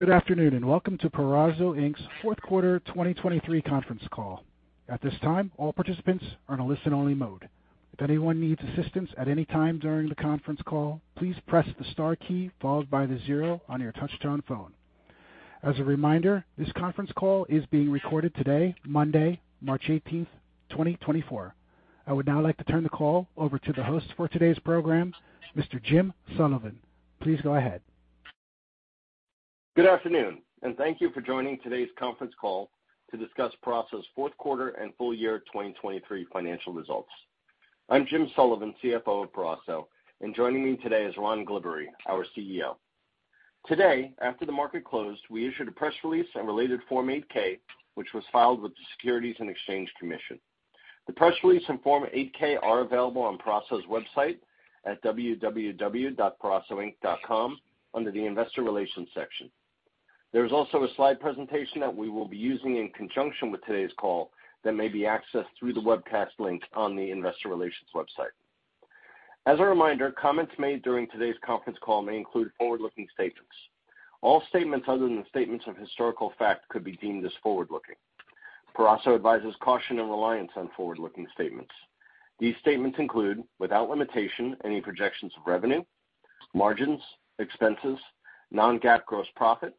Good afternoon and welcome to Peraso Inc.'s Fourth Quarter 2023 conference call. At this time, all participants are in a listen-only mode. If anyone needs assistance at any time during the conference call, please press the star key followed by the zero on your touch-tone phone. As a reminder, this conference call is being recorded today, Monday, March 18, 2024. I would now like to turn the call over to the host for today's program, Mr. Jim Sullivan. Please go ahead. Good afternoon, and thank you for joining today's conference call to discuss Peraso's Fourth Quarter and Full Year 2023 financial results. I'm Jim Sullivan, CFO of Peraso, and joining me today is Ron Glibbery, our CEO. Today, after the market closed, we issued a press release and related Form 8-K, which was filed with the Securities and Exchange Commission. The press release and Form 8-K are available on Peraso's website at www.perasoinc.com under the Investor Relations section. There is also a slide presentation that we will be using in conjunction with today's call that may be accessed through the webcast link on the Investor Relations website. As a reminder, comments made during today's conference call may include forward-looking statements. All statements other than statements of historical fact could be deemed as forward-looking. Peraso advises caution and reliance on forward-looking statements. These statements include, without limitation, any projections of revenue, margins, expenses, non-GAAP gross profit,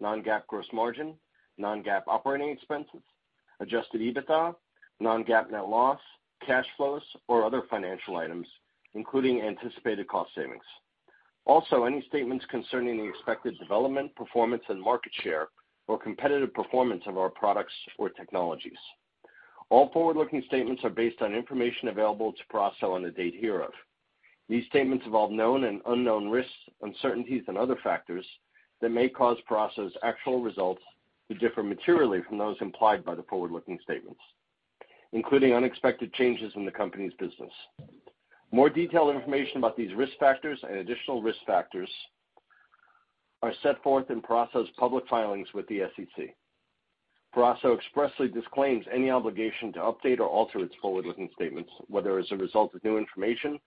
non-GAAP gross margin, non-GAAP operating expenses, adjusted EBITDA, non-GAAP net loss, cash flows, or other financial items, including anticipated cost savings. Also, any statements concerning the expected development, performance, and market share, or competitive performance of our products or technologies. All forward-looking statements are based on information available to Peraso on the date hereof. These statements involve known and unknown risks, uncertainties, and other factors that may cause Peraso's actual results to differ materially from those implied by the forward-looking statements, including unexpected changes in the company's business. More detailed information about these risk factors and additional risk factors are set forth in Peraso's public filings with the SEC. Peraso expressly disclaims any obligation to update or alter its forward-looking statements, whether as a result of new information,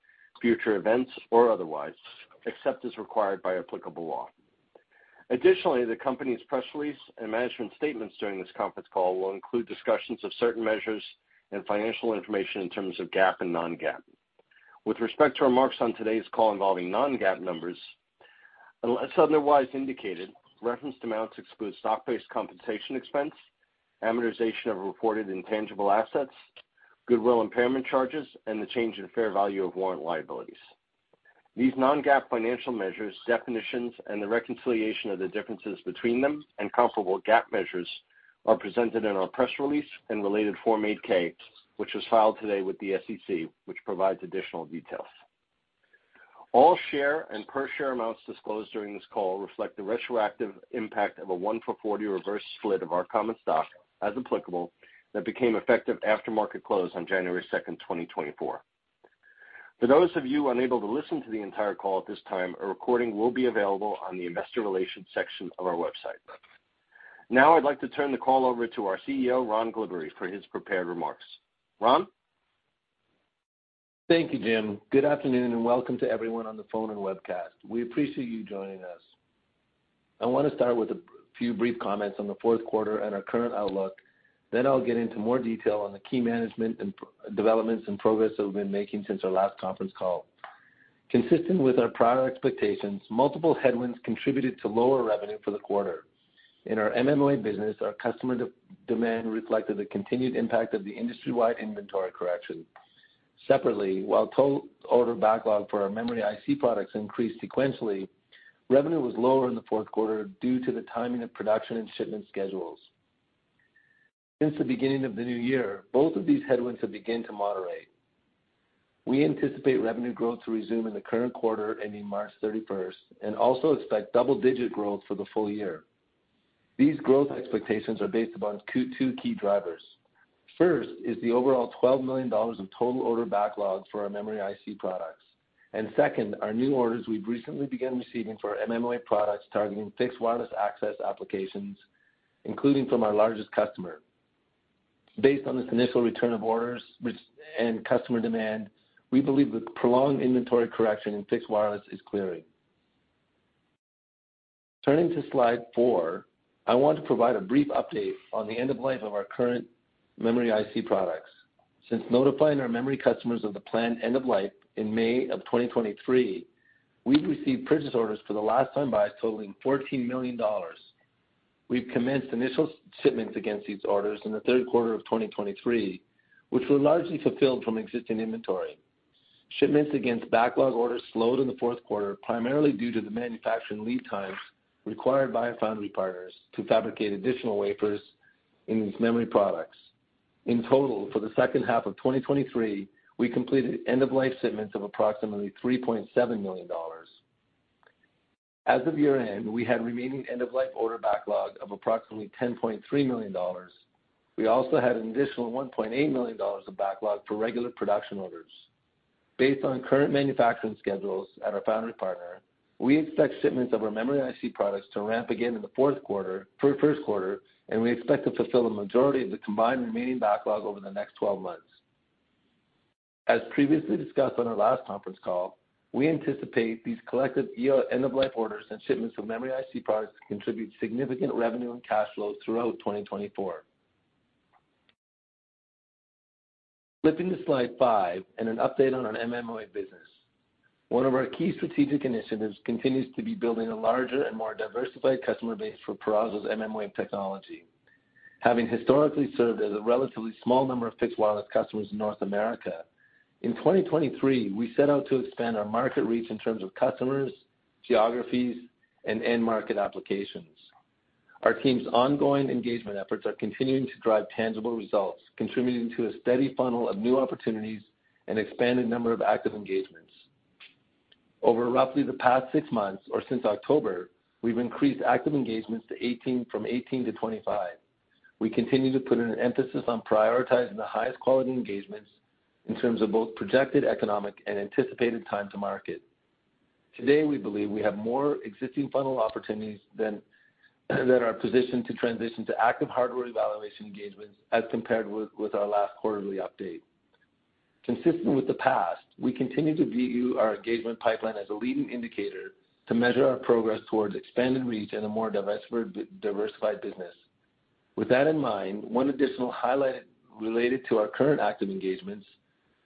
future events, or otherwise, except as required by applicable law. Additionally, the company's press release and management statements during this conference call will include discussions of certain measures and financial information in terms of GAAP and non-GAAP. With respect to remarks on today's call involving non-GAAP numbers, unless otherwise indicated, referenced amounts exclude stock-based compensation expense, amortization of reported intangible assets, goodwill impairment charges, and the change in fair value of warrant liabilities. These non-GAAP financial measures, definitions, and the reconciliation of the differences between them and comparable GAAP measures are presented in our press release and related Form 8-K, which was filed today with the SEC, which provides additional details. All share and per-share amounts disclosed during this call reflect the retroactive impact of a 1:40 reverse split of our common stock, as applicable, that became effective after market close on January 2, 2024. For those of you unable to listen to the entire call at this time, a recording will be available on the Investor Relations section of our website. Now I'd like to turn the call over to our CEO, Ron Glibbery, for his prepared remarks. Ron? Thank you, Jim. Good afternoon and welcome to everyone on the phone and webcast. We appreciate you joining us. I want to start with a few brief comments on the fourth quarter and our current outlook. Then I'll get into more detail on the key management developments and progress that we've been making since our last conference call. Consistent with our prior expectations, multiple headwinds contributed to lower revenue for the quarter. In our mmWave business, our customer demand reflected the continued impact of the industry-wide inventory correction. Separately, while total order backlog for our memory IC products increased sequentially, revenue was lower in the fourth quarter due to the timing of production and shipment schedules. Since the beginning of the new year, both of these headwinds have begun to moderate. We anticipate revenue growth to resume in the current quarter ending March 31 and also expect double-digit growth for the full year. These growth expectations are based upon two key drivers. First is the overall $12 million of total order backlog for our memory IC products, and second, our new orders we've recently begun receiving for mmWave products targeting fixed wireless access applications, including from our largest customer. Based on this initial return of orders and customer demand, we believe the prolonged inventory correction in fixed wireless is clearing. Turning to slide four, I want to provide a brief update on the end-of-life of our current memory IC products. Since notifying our memory customers of the planned end-of-life in May of 2023, we've received purchase orders for the last time buys totaling $14 million. We've commenced initial shipments against these orders in the third quarter of 2023, which were largely fulfilled from existing inventory. Shipments against backlog orders slowed in the fourth quarter, primarily due to the manufacturing lead times required by our foundry partners to fabricate additional wafers in these memory products. In total, for the second half of 2023, we completed end-of-life shipments of approximately $3.7 million. As of year-end, we had remaining end-of-life order backlog of approximately $10.3 million. We also had an additional $1.8 million of backlog for regular production orders. Based on current manufacturing schedules at our foundry partner, we expect shipments of our memory IC products to ramp again in the first quarter, and we expect to fulfill the majority of the combined remaining backlog over the next 12 months. As previously discussed on our last conference call, we anticipate these collective end-of-life orders and shipments of memory IC products to contribute significant revenue and cash flow throughout 2024. Flipping to slide five and an update on our mmWave business. One of our key strategic initiatives continues to be building a larger and more diversified customer base for Peraso's mmWave technology. Having historically served as a relatively small number of fixed wireless customers in North America, in 2023, we set out to expand our market reach in terms of customers, geographies, and end-market applications. Our team's ongoing engagement efforts are continuing to drive tangible results, contributing to a steady funnel of new opportunities and expanded number of active engagements. Over roughly the past six months, or since October, we've increased active engagements from 18-25. We continue to put an emphasis on prioritizing the highest quality engagements in terms of both projected economic and anticipated time to market. Today, we believe we have more existing funnel opportunities than that are positioned to transition to active hardware evaluation engagements as compared with our last quarterly update. Consistent with the past, we continue to view our engagement pipeline as a leading indicator to measure our progress towards expanded reach and a more diversified business. With that in mind, one additional highlight related to our current active engagements,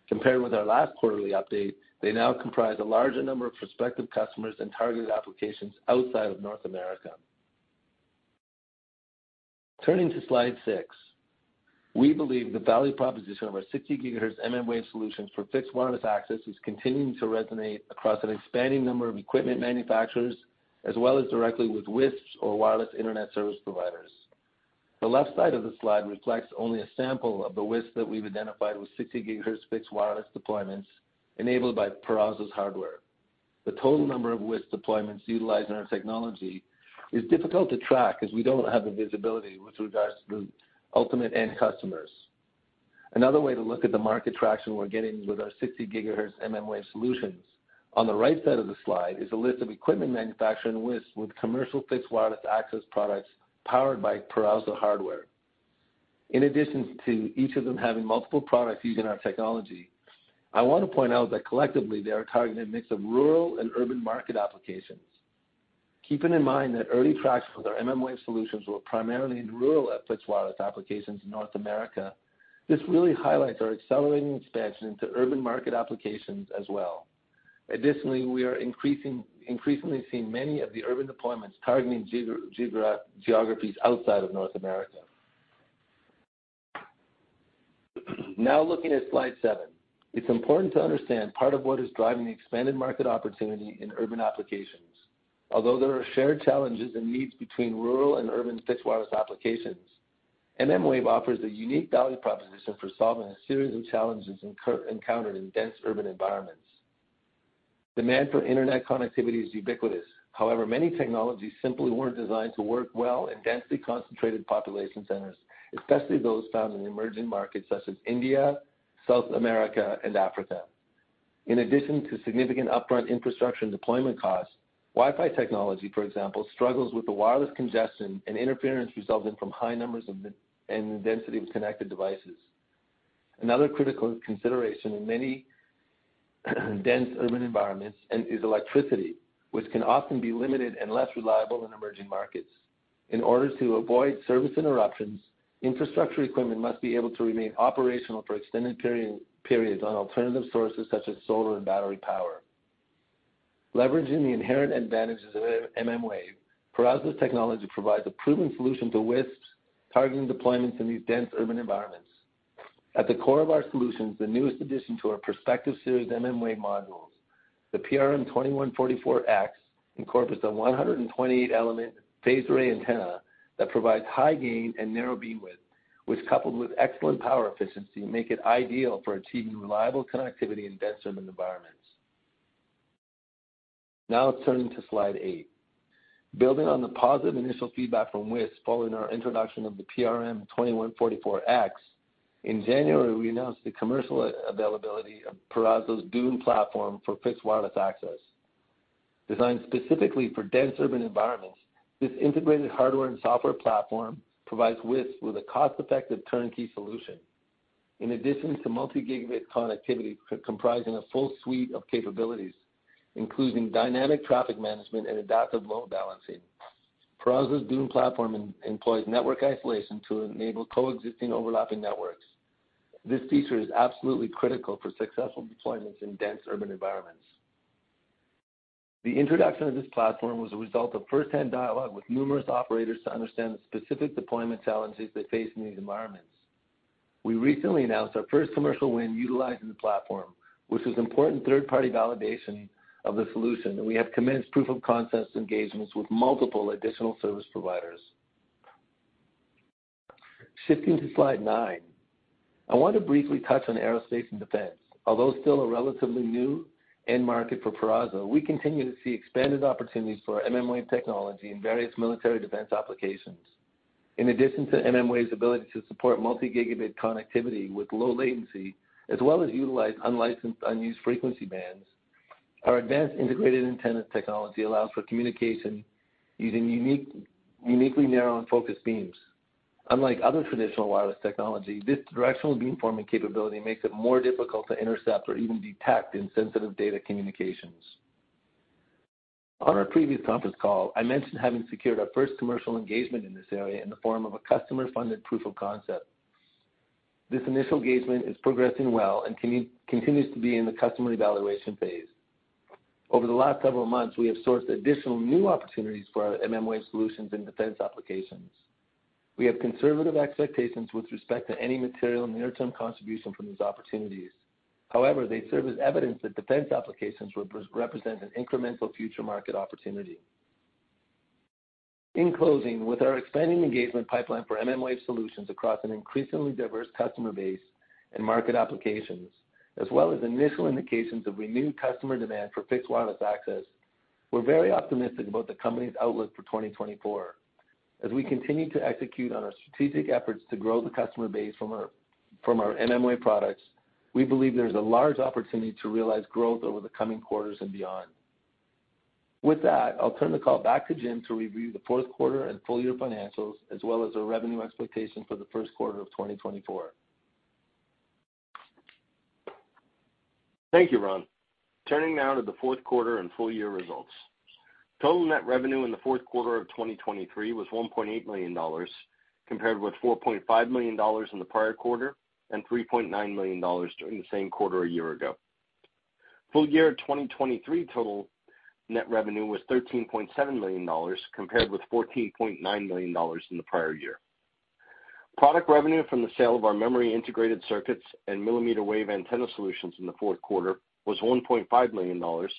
compared with our last quarterly update, they now comprise a larger number of prospective customers and targeted applications outside of North America. Turning to slide six, we believe the value proposition of our 60 GHz mmWave solutions for fixed wireless access is continuing to resonate across an expanding number of equipment manufacturers, as well as directly with WISPs or wireless internet service providers. The left side of the slide reflects only a sample of the WISPs that we've identified with 60 GHz fixed wireless deployments enabled by Peraso's hardware. The total number of WISP deployments utilizing our technology is difficult to track as we don't have the visibility with regards to the ultimate end customers. Another way to look at the market traction we're getting with our 60 GHz mmWave solutions, on the right side of the slide, is a list of equipment manufacturing WISPs with commercial fixed wireless access products powered by Peraso hardware. In addition to each of them having multiple products using our technology, I want to point out that collectively, they are targeting a mix of rural and urban market applications. Keeping in mind that early traction with our mmWave solutions was primarily in rural fixed wireless applications in North America, this really highlights our accelerating expansion into urban market applications as well. Additionally, we are increasingly seeing many of the urban deployments targeting geographies outside of North America. Now looking at slide seven, it's important to understand part of what is driving the expanded market opportunity in urban applications. Although there are shared challenges and needs between rural and urban fixed wireless applications, mmWave offers a unique value proposition for solving a series of challenges encountered in dense urban environments. Demand for internet connectivity is ubiquitous. However, many technologies simply weren't designed to work well in densely concentrated population centers, especially those found in emerging markets such as India, South America, and Africa. In addition to significant upfront infrastructure and deployment costs, Wi-Fi technology, for example, struggles with the wireless congestion and interference resulting from high numbers and the density of connected devices. Another critical consideration in many dense urban environments is electricity, which can often be limited and less reliable in emerging markets. In order to avoid service interruptions, infrastructure equipment must be able to remain operational for extended periods on alternative sources such as solar and battery power. Leveraging the inherent advantages of mmWave, Peraso's technology provides a proven solution to WISPs targeting deployments in these dense urban environments. At the core of our solutions, the newest addition to our Perspectus series of mmWave modules, the PRM2144X, incorporates a 128-element phased array antenna that provides high gain and narrow beam width, which coupled with excellent power efficiency make it ideal for achieving reliable connectivity in dense urban environments. Now turning to slide eight. Building on the positive initial feedback from WISPs following our introduction of the PRM2144X, in January, we announced the commercial availability of Peraso's Dune platform for fixed wireless access. Designed specifically for dense urban environments, this integrated hardware and software platform provides WISPs with a cost-effective turnkey solution. In addition to multi-gigabit connectivity comprising a full suite of capabilities, including dynamic traffic management and adaptive load balancing, Peraso's Dune platform employs network isolation to enable coexisting overlapping networks. This feature is absolutely critical for successful deployments in dense urban environments. The introduction of this platform was a result of firsthand dialogue with numerous operators to understand the specific deployment challenges they face in these environments. We recently announced our first commercial win utilizing the platform, which was important third-party validation of the solution, and we have commenced proof of concept engagements with multiple additional service providers. Shifting to slide nine, I want to briefly touch on aerospace and defense. Although still a relatively new end market for Peraso, we continue to see expanded opportunities for mmWave technology in various military defense applications. In addition to mmWave's ability to support multi-gigabit connectivity with low latency, as well as utilize unlicensed unused frequency bands, our advanced integrated antenna technology allows for communication using uniquely narrow and focused beams. Unlike other traditional wireless technology, this directional beamforming capability makes it more difficult to intercept or even detect in sensitive data communications. On our previous conference call, I mentioned having secured our first commercial engagement in this area in the form of a customer-funded proof of concept. This initial engagement is progressing well and continues to be in the customer evaluation phase. Over the last several months, we have sourced additional new opportunities for our mmWave solutions in defense applications. We have conservative expectations with respect to any material near-term contribution from these opportunities. However, they serve as evidence that defense applications represent an incremental future market opportunity. In closing, with our expanding engagement pipeline for mmWave solutions across an increasingly diverse customer base and market applications, as well as initial indications of renewed customer demand for fixed wireless access, we're very optimistic about the company's outlook for 2024. As we continue to execute on our strategic efforts to grow the customer base from our mmWave products, we believe there's a large opportunity to realize growth over the coming quarters and beyond. With that, I'll turn the call back to Jim to review the fourth quarter and full-year financials, as well as our revenue expectations for the first quarter of 2024. Thank you, Ron. Turning now to the fourth quarter and full-year results. Total net revenue in the fourth quarter of 2023 was $1.8 million compared with $4.5 million in the prior quarter and $3.9 million during the same quarter a year ago. Full-year 2023 total net revenue was $13.7 million compared with $14.9 million in the prior year. Product revenue from the sale of our memory integrated circuits and ml wave antenna solutions in the fourth quarter was $1.5 million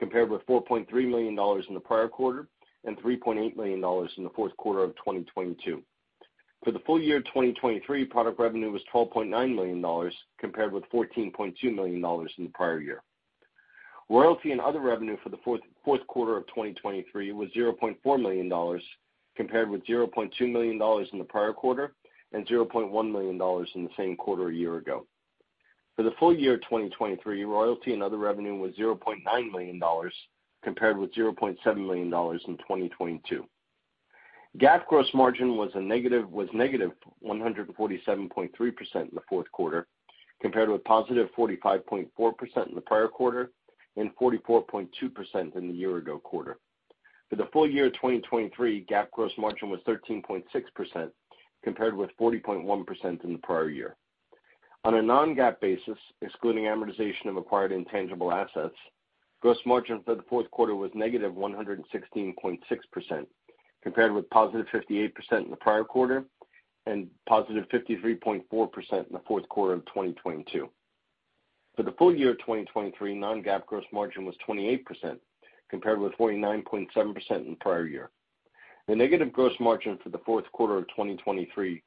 compared with $4.3 million in the prior quarter and $3.8 million in the fourth quarter of 2022. For the full year 2023, product revenue was $12.9 million compared with $14.2 million in the prior year. Royalty and other revenue for the fourth quarter of 2023 was $0.4 million compared with $0.2 million in the prior quarter and $0.1 million in the same quarter a year ago. For the full year 2023, royalty and other revenue was $0.9 million compared with $0.7 million in 2022. GAAP gross margin was negative 147.3% in the fourth quarter compared with positive 45.4% in the prior quarter and 44.2% in the year-ago quarter. For the full year 2023, GAAP gross margin was 13.6% compared with 40.1% in the prior year. On a non-GAAP basis, excluding amortization of acquired intangible assets, gross margin for the fourth quarter was negative 116.6% compared with positive 58% in the prior quarter and positive 53.4% in the fourth quarter of 2022. For the full year 2023, non-GAAP gross margin was 28% compared with 49.7% in the prior year. The negative gross margin for the fourth quarter of 2023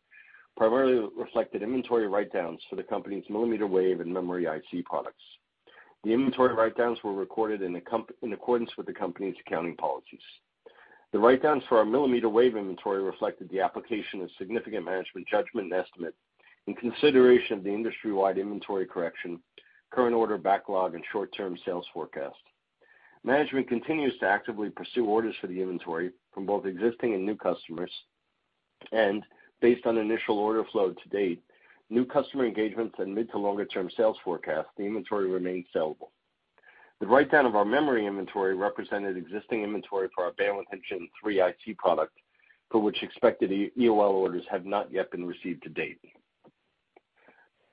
primarily reflected inventory write-downs for the company's mmwave and memory IC products. The inventory write-downs were recorded in accordance with the company's accounting policies. The write-downs for our mmwave inventory reflected the application of significant management judgment and estimate in consideration of the industry-wide inventory correction, current order backlog, and short-term sales forecast. Management continues to actively pursue orders for the inventory from both existing and new customers, and based on initial order flow to date, new customer engagements and mid to longer-term sales forecasts, the inventory remains sellable. The write-down of our memory inventory represented existing inventory for our Bandwidth Engine 3 IC product, for which expected EOL orders have not yet been received to date.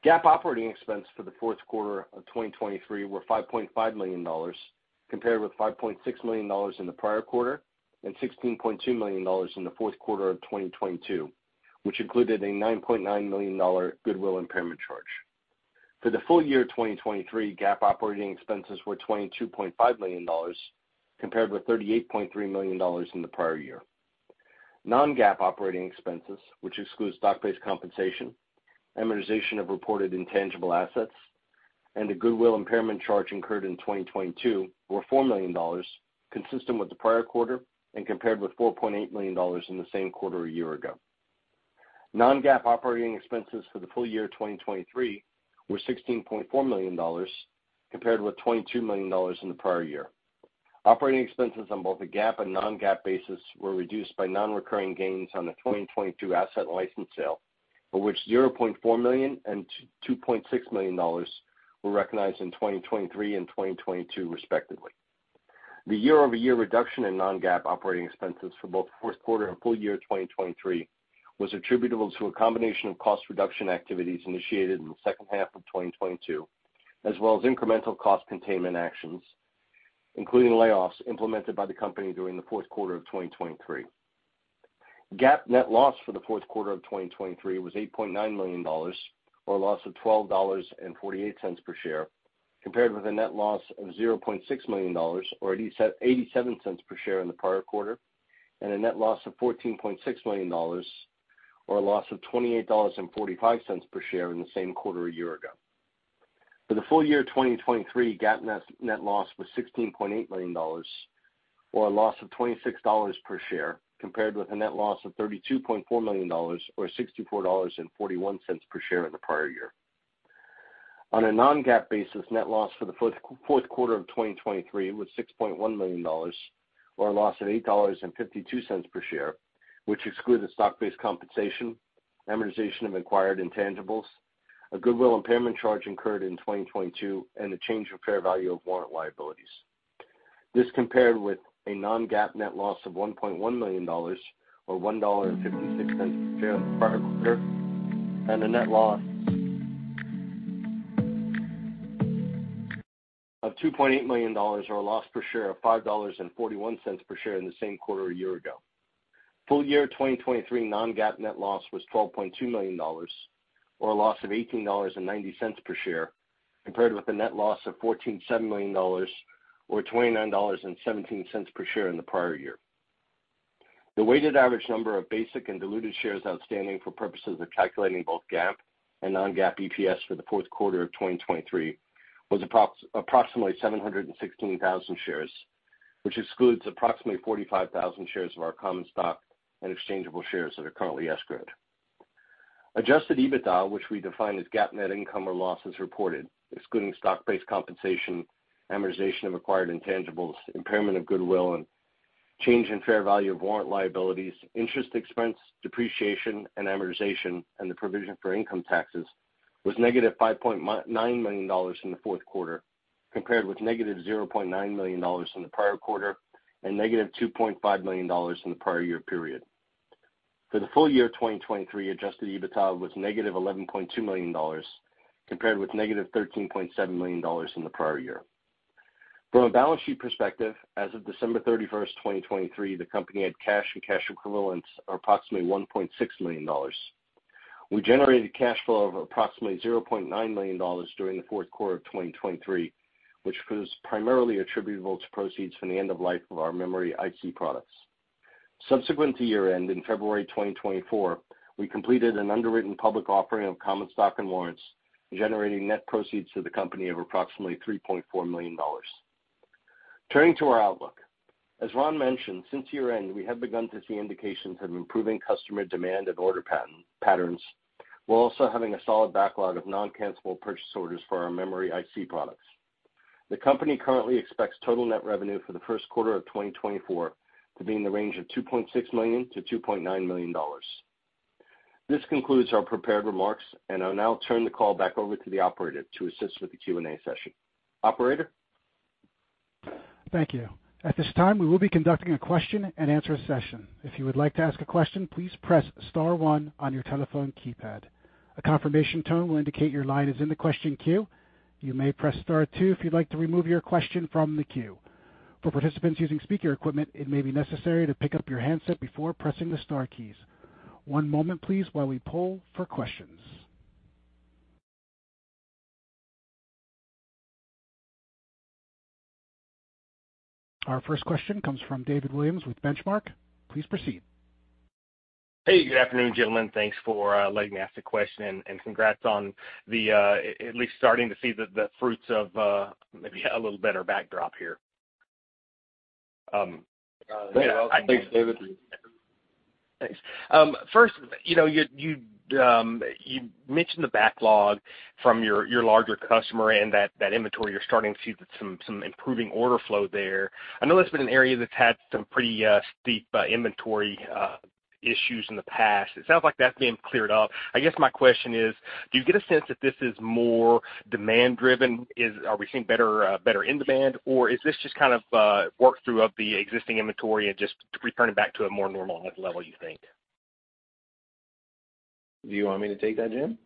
GAAP operating expense for the fourth quarter of 2023 were $5.5 million compared with $5.6 million in the prior quarter and $16.2 million in the fourth quarter of 2022, which included a $9.9 million goodwill impairment charge. For the full year 2023, GAAP operating expenses were $22.5 million compared with $38.3 million in the prior year. Non-GAAP operating expenses, which exclude stock-based compensation, amortization of reported intangible assets, and a goodwill impairment charge incurred in 2022, were $4 million, consistent with the prior quarter and compared with $4.8 million in the same quarter a year ago. Non-GAAP operating expenses for the full year 2023 were $16.4 million compared with $22 million in the prior year. Operating expenses on both a GAAP and non-GAAP basis were reduced by non-recurring gains on the 2022 asset and license sale, of which $0.4 million and $2.6 million were recognized in 2023 and 2022, respectively. The year-over-year reduction in non-GAAP operating expenses for both fourth quarter and full year 2023 was attributable to a combination of cost reduction activities initiated in the second half of 2022, as well as incremental cost containment actions, including layoffs implemented by the company during the fourth quarter of 2023. GAAP net loss for the fourth quarter of 2023 was $8.9 million, or a loss of $12.48 per share, compared with a net loss of $0.6 million, or $0.87 per share in the prior quarter, and a net loss of $14.6 million, or a loss of $28.45 per share in the same quarter a year ago. For the full year 2023, GAAP net loss was $16.8 million, or a loss of $26 per share, compared with a net loss of $32.4 million, or $64.41 per share in the prior year. On a Non-GAAP basis, net loss for the fourth quarter of 2023 was $6.1 million, or a loss of $8.52 per share, which excluded stock-based compensation, amortization of acquired intangibles, a goodwill impairment charge incurred in 2022, and a change in fair value of warrant liabilities. This compared with a non-GAAP net loss of $1.1 million, or $1.56 per share in the prior quarter, and a net loss of $2.8 million, or a loss per share of $5.41 per share in the same quarter a year ago. Full year 2023 non-GAAP net loss was $12.2 million, or a loss of $18.90 per share, compared with a net loss of $14.7 million, or $29.17 per share in the prior year. The weighted average number of basic and diluted shares outstanding for purposes of calculating both GAAP and non-GAAP EPS for the fourth quarter of 2023 was approximately 716,000 shares, which excludes approximately 45,000 shares of our common stock and exchangeable shares that are currently escrowed. Adjusted EBITDA, which we define as GAAP net income or losses reported, excluding stock-based compensation, amortization of acquired intangibles, impairment of goodwill, and change in fair value of warrant liabilities, interest expense, depreciation, and amortization, and the provision for income taxes, was negative $5.9 million in the fourth quarter, compared with negative $0.9 million in the prior quarter and negative $2.5 million in the prior year period. For the full year 2023, adjusted EBITDA was negative $11.2 million compared with negative $13.7 million in the prior year. From a balance sheet perspective, as of December 31st, 2023, the company had cash and cash equivalents of approximately $1.6 million. We generated cash flow of approximately $0.9 million during the fourth quarter of 2023, which was primarily attributable to proceeds from the end of life of our memory IC products. Subsequent to year-end in February 2024, we completed an underwritten public offering of common stock and warrants, generating net proceeds to the company of approximately $3.4 million. Turning to our outlook, as Ron mentioned, since year-end, we have begun to see indications of improving customer demand and order patterns while also having a solid backlog of non-cancelable purchase orders for our memory IC products. The company currently expects total net revenue for the first quarter of 2024 to be in the range of $2.6 million-$2.9 million. This concludes our prepared remarks, and I'll now turn the call back over to the operator to assist with the Q&A session. Operator? Thank you. At this time, we will be conducting a question-and-answer session. If you would like to ask a question, please press star one on your telephone keypad. A confirmation tone will indicate your line is in the question queue. You may press star two if you'd like to remove your question from the queue. For participants using speaker equipment, it may be necessary to pick up your handset before pressing the star keys. One moment, please, while we pull for questions. Our first question comes from David Williams with Benchmark. Please proceed. Hey, good afternoon, gentlemen. Thanks for letting me ask the question, and congrats on at least starting to see the fruits of maybe a little better backdrop here. Hey, welcome. Thanks, David. Thanks. First, you mentioned the backlog from your larger customer and that inventory. You're starting to see some improving order flow there. I know that's been an area that's had some pretty steep inventory issues in the past. It sounds like that's being cleared up. I guess my question is, do you get a sense that this is more demand-driven? Are we seeing better end demand, or is this just kind of a workthrough of the existing inventory and just returning back to a more normalized level, you think? Do you want me to take that, Jim?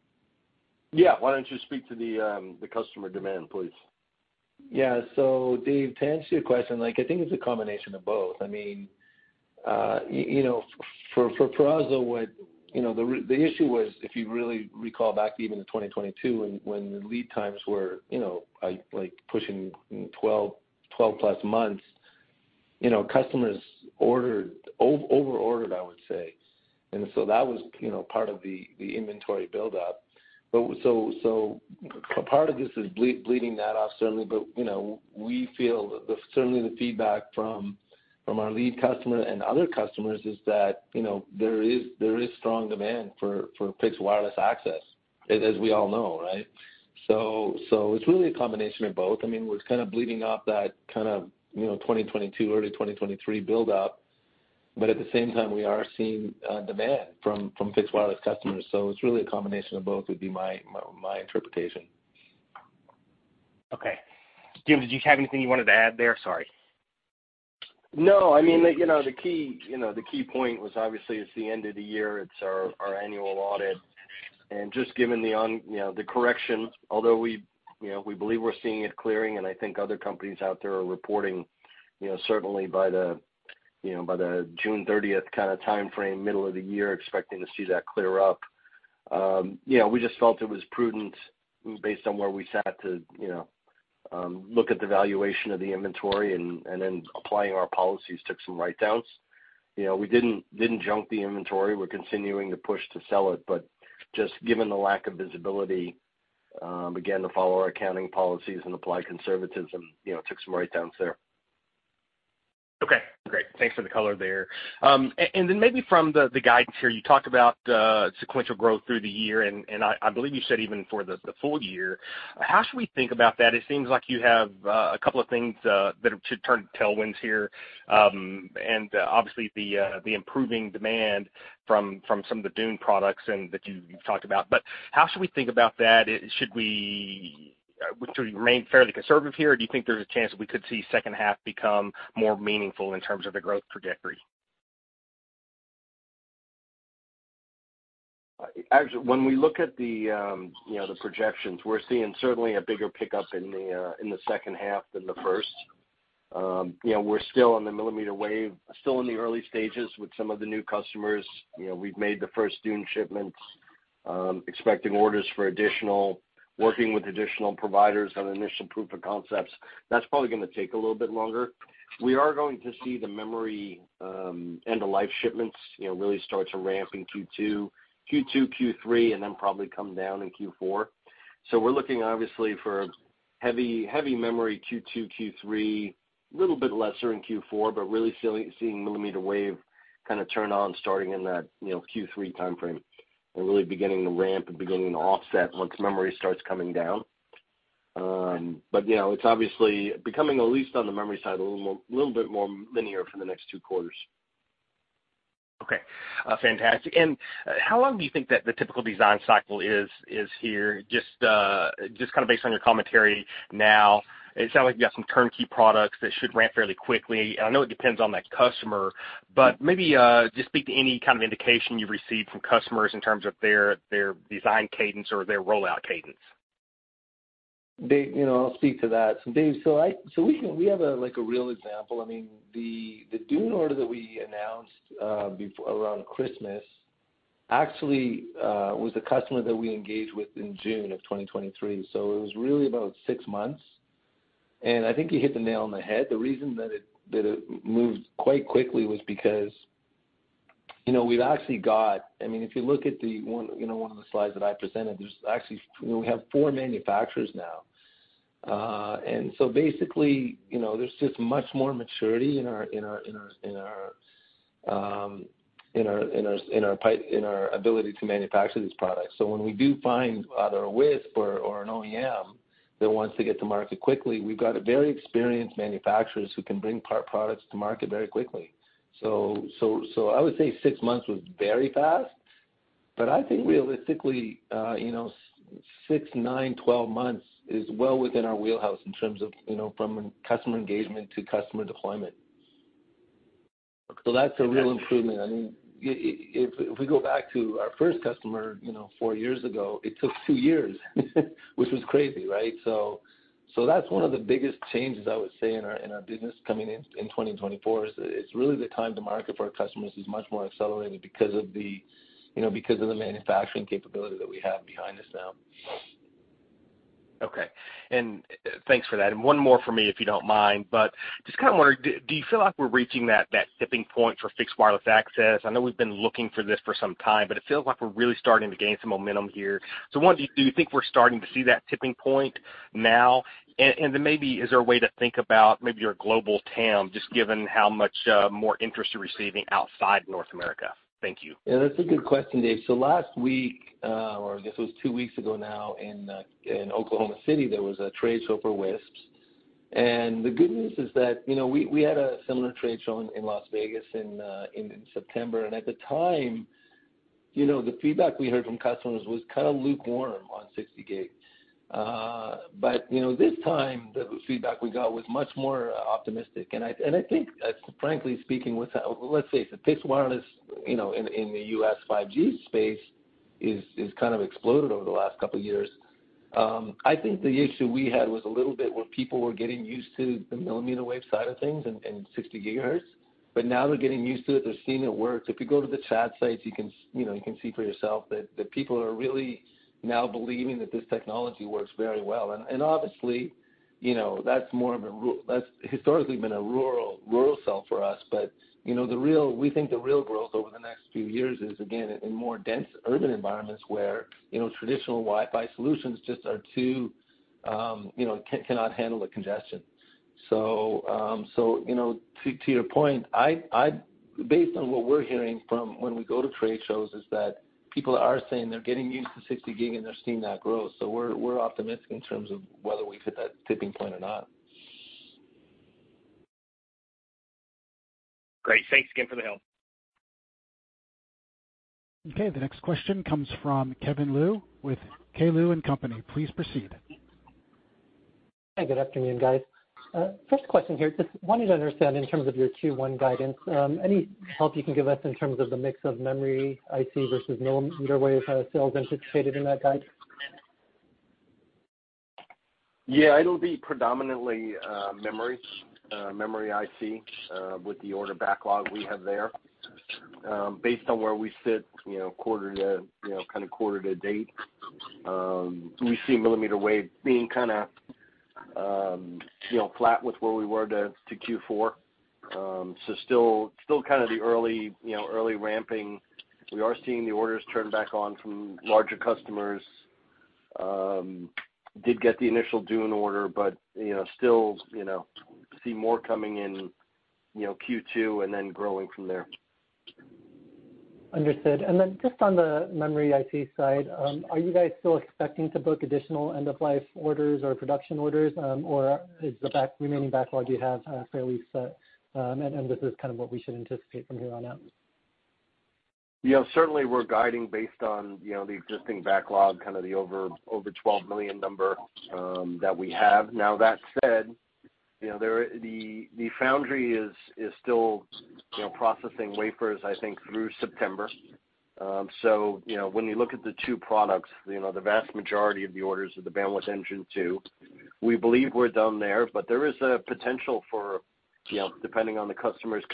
Yeah. Why don't you speak to the customer demand, please? Yeah. So, Dave, to answer your question, I think it's a combination of both. I mean, for us, though, the issue was, if you really recall back even to 2022, when the lead times were pushing 12+ months, customers overordered, I would say. And so that was part of the inventory buildup. So part of this is bleeding that off, certainly, but we feel certainly the feedback from our lead customer and other customers is that there is strong demand for fixed wireless access, as we all know, right? So it's really a combination of both. I mean, we're kind of bleeding off that kind of 2022, early 2023 buildup, but at the same time, we are seeing demand from fixed wireless customers. So it's really a combination of both would be my interpretation. Okay. Jim, did you have anything you wanted to add there? Sorry. No. I mean, the key point was, obviously, it's the end of the year. It's our annual audit. And just given the correction, although we believe we're seeing it clearing, and I think other companies out there are reporting, certainly, by the June 30th kind of time frame, middle of the year, expecting to see that clear up, we just felt it was prudent, based on where we sat, to look at the valuation of the inventory and then applying our policies, took some write-downs. We didn't junk the inventory. We're continuing to push to sell it. But just given the lack of visibility, again, to follow our accounting policies and apply conservatism, took some write-downs there. Okay. Great. Thanks for the color there. And then maybe from the guidance here, you talked about sequential growth through the year, and I believe you said even for the full year. How should we think about that? It seems like you have a couple of things that are to turn tailwinds here, and obviously, the improving demand from some of the Dune products that you've talked about. But how should we think about that? Should we remain fairly conservative here, or do you think there's a chance that we could see second half become more meaningful in terms of the growth trajectory? Actually, when we look at the projections, we're seeing, certainly, a bigger pickup in the second half than the first. We're still on the mmwave, still in the early stages with some of the new customers. We've made the first Dune shipments, expecting orders for additional, working with additional providers on initial proof of concepts. That's probably going to take a little bit longer. We are going to see the memory end-of-life shipments really start to ramp in Q2, Q2, Q3, and then probably come down in Q4. So we're looking, obviously, for heavy memory Q2, Q3, a little bit lesser in Q4, but really seeing mmwave kind of turn on starting in that Q3 time frame and really beginning to ramp and beginning to offset once memory starts coming down. But it's obviously becoming, at least on the memory side, a little bit more linear for the next two quarters. Okay. Fantastic. And how long do you think that the typical design cycle is here, just kind of based on your commentary now? It sounds like you've got some turnkey products that should ramp fairly quickly. And I know it depends on that customer, but maybe just speak to any kind of indication you've received from customers in terms of their design cadence or their rollout cadence. Dave, I'll speak to that. Dave, so we have a real example. I mean, the Dune order that we announced around Christmas actually was a customer that we engaged with in June of 2023. So it was really about six months, and I think he hit the nail on the head. The reason that it moved quite quickly was because we've actually got I mean, if you look at one of the slides that I presented, there's actually we have four manufacturers now. And so basically, there's just much more maturity in our ability to manufacture these products. So when we do find either a WISP or an OEM that wants to get to market quickly, we've got very experienced manufacturers who can bring part products to market very quickly. So I would say six months was very fast, but I think, realistically, six, nine, 12 months is well within our wheelhouse in terms of from customer engagement to customer deployment. So that's a real improvement. I mean, if we go back to our first customer four years ago, it took two years, which was crazy, right? So that's one of the biggest changes, I would say, in our business coming in 2024. It's really the time to market for our customers is much more accelerated because of the manufacturing capability that we have behind us now. Okay. Thanks for that. One more for me, if you don't mind, but just kind of wondering, do you feel like we're reaching that tipping point for fixed wireless access? I know we've been looking for this for some time, but it feels like we're really starting to gain some momentum here. So do you think we're starting to see that tipping point now? Then maybe, is there a way to think about maybe your global TAM, just given how much more interest you're receiving outside North America? Thank you. Yeah. That's a good question, Dave. So last week, or I guess it was two weeks ago now, in Oklahoma City, there was a trade show for WISPs. And the good news is that we had a similar trade show in Las Vegas in September. And at the time, the feedback we heard from customers was kind of lukewarm on 60 gig. But this time, the feedback we got was much more optimistic. And I think, frankly speaking, with let's face it, fixed wireless in the US 5G space has kind of exploded over the last couple of years. I think the issue we had was a little bit where people were getting used to the mmwave side of things and 60 GHz. But now they're getting used to it. They're seeing it work. If you go to the chat sites, you can see for yourself that people are really now believing that this technology works very well. Obviously, that's more of a – that's historically been a rural sell for us. But we think the real growth over the next few years is, again, in more dense urban environments where traditional Wi-Fi solutions just cannot handle the congestion. To your point, based on what we're hearing from when we go to trade shows, is that people are saying they're getting used to 60 gig, and they're seeing that growth. We're optimistic in terms of whether we've hit that tipping point or not. Great. Thanks again for the help. Okay. The next question comes from Kevin Liu with K. Liu & Company. Please proceed. Hi. Good afternoon, guys. First question here, just wanted to understand, in terms of your Q1 guidance, any help you can give us in terms of the mix of memory IC versus mmwave sales anticipated in that guide? Yeah. It'll be predominantly memory, memory IC, with the order backlog we have there. Based on where we sit, kind of quarter to date, we see mmwave being kind of flat with where we were to Q4. So still kind of the early ramping. We are seeing the orders turn back on from larger customers. Did get the initial Dune order, but still see more coming in Q2 and then growing from there. Understood. And then just on the memory IC side, are you guys still expecting to book additional end-of-life orders or production orders, or is the remaining backlog you have fairly set? And this is kind of what we should anticipate from here on out. Certainly, we're guiding based on the existing backlog, kind of the over $12 million number that we have. Now, that said, the foundry is still processing wafers, I think, through September. So when you look at the two products, the vast majority of the orders are the Bandwidth Engine 2. We believe we're done there, but there is a potential for, depending on the customer's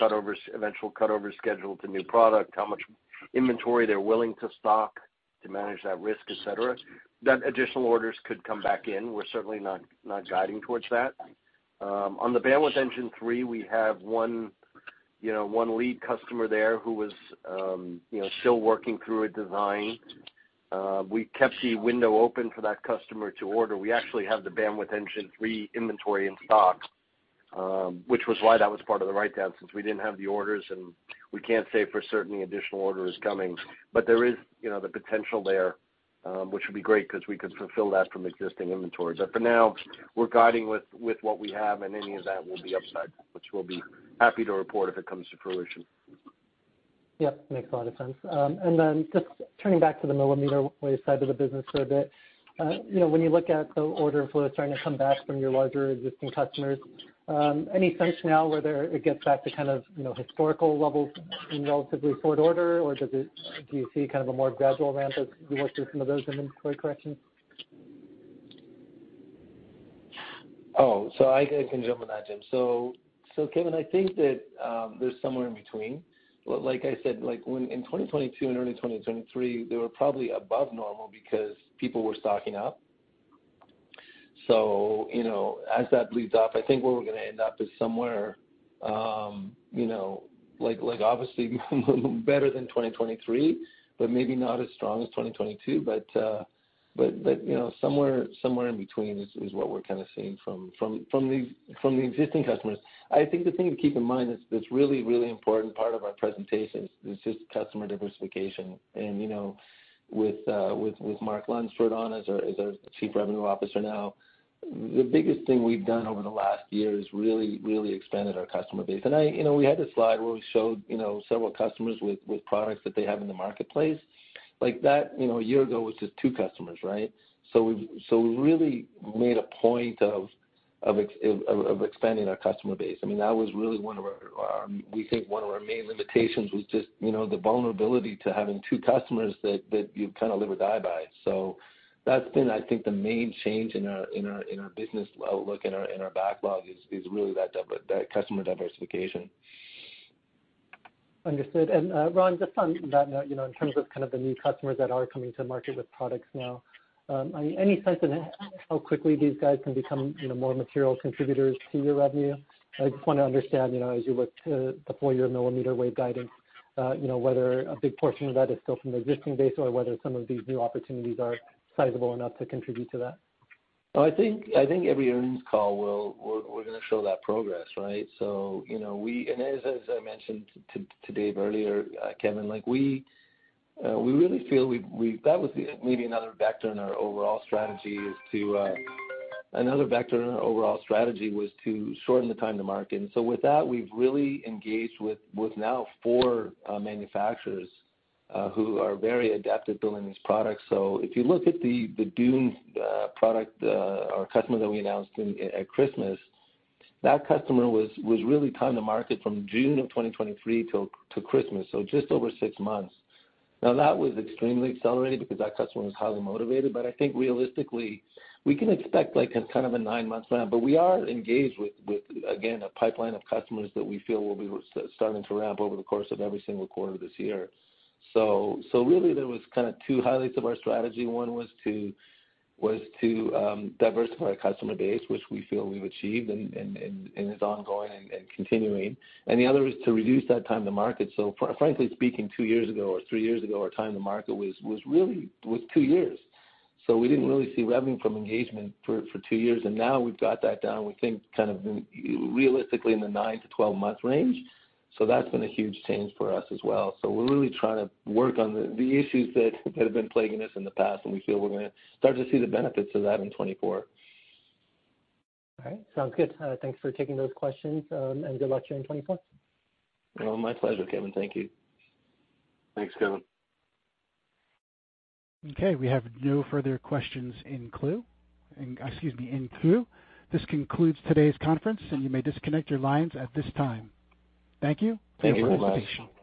eventual cutover schedule to new product, how much inventory they're willing to stock to manage that risk, etc., that additional orders could come back in. We're certainly not guiding towards that. On the Bandwidth Engine 3, we have one lead customer there who was still working through a design. We kept the window open for that customer to order. We actually have the Bandwidth Engine 3 inventory in stock, which was why that was part of the write-down, since we didn't have the orders. We can't say for certain the additional order is coming, but there is the potential there, which would be great because we could fulfill that from existing inventory. For now, we're guiding with what we have, and any of that will be upside, which we'll be happy to report if it comes to fruition. Yep. Makes a lot of sense. And then just turning back to the mmwave side of the business for a bit, when you look at the order flow starting to come back from your larger existing customers, any sense now where it gets back to kind of historical levels in relatively short order, or do you see kind of a more gradual ramp as you work through some of those inventory corrections? Oh. So I can jump in that, Jim. So, Kevin, I think that there's somewhere in between. Like I said, in 2022 and early 2023, they were probably above normal because people were stocking up. So as that bleeds off, I think where we're going to end up is somewhere, obviously, better than 2023, but maybe not as strong as 2022. But somewhere in between is what we're kind of seeing from the existing customers. I think the thing to keep in mind that's really, really important part of our presentation is just customer diversification. And with Mark Lunsford on as our Chief Revenue Officer now, the biggest thing we've done over the last year has really, really expanded our customer base. And we had a slide where we showed several customers with products that they have in the marketplace. That a year ago was just two customers, right? So we really made a point of expanding our customer base. I mean, that was really one of our—we think—one of our main limitations was just the vulnerability to having two customers that you kind of live or die by. So that's been, I think, the main change in our business outlook, and our backlog is really that customer diversification. Understood. And, Ron, just on that note, in terms of kind of the new customers that are coming to market with products now, any sense on how quickly these guys can become more material contributors to your revenue? I just want to understand, as you look to the full-year mmWave guidance, whether a big portion of that is still from the existing base or whether some of these new opportunities are sizable enough to contribute to that. Oh. I think every earnings call, we're going to show that progress, right? And as I mentioned to Dave earlier, Kevin, we really feel that was maybe another vector in our overall strategy was to shorten the time to market. And so with that, we've really engaged with now four manufacturers who are very adept at building these products. So if you look at the Dune product, our customer that we announced at Christmas, that customer was really time to market from June of 2023 to Christmas, so just over six months. Now, that was extremely accelerated because that customer was highly motivated. But I think, realistically, we can expect kind of a nine-month ramp, but we are engaged with, again, a pipeline of customers that we feel will be starting to ramp over the course of every single quarter this year. So really, there was kind of two highlights of our strategy. One was to diversify our customer base, which we feel we've achieved and is ongoing and continuing. And the other is to reduce that time to market. So, frankly speaking, two years ago or three years ago, our time to market was really two years. So we didn't really see revenue from engagement for two years. And now we've got that down, we think, kind of realistically in the 9-12-month range. So that's been a huge change for us as well. We're really trying to work on the issues that have been plaguing us in the past, and we feel we're going to start to see the benefits of that in 2024. All right. Sounds good. Thanks for taking those questions, and good luck here in 2024. Well, my pleasure, Kevin. Thank you. Thanks, Kevin. Okay. We have no further questions in queue. Excuse me, in queue. This concludes today's conference, and you may disconnect your lines at this time. Thank you. Thank you very much. For the conversation.